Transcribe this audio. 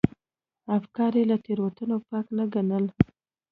افکار یې له تېروتنو پاک نه ګڼل.